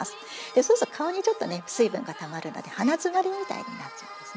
そうすると顔にちょっとね水分がたまるので鼻詰まりみたいになっちゃうんですね。